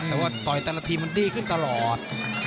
แต่ว่าต่อยแต่ละทีมันดีขึ้นตลอด